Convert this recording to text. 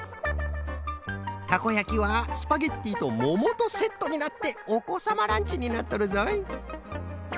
たこやきはスパゲッティとももとセットになっておこさまランチになっとるぞい。